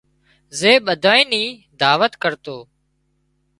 زي ٻڌانئي ني دعوت ڪرتون